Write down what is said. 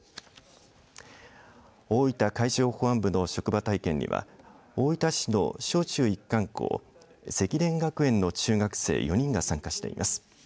大分海上保安部の職場体験には大分市の小中一貫校碩田学園の中学生４人が参加しています。